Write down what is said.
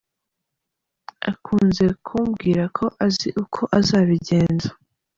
Akunze kumbwira ko azi uko azabigenza.